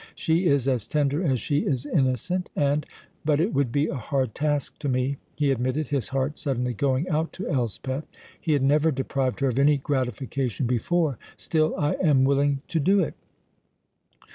She is as tender as she is innocent, and but it would be a hard task to me," he admitted, his heart suddenly going out to Elspeth; he had never deprived her of any gratification before. "Still, I am willing to do it."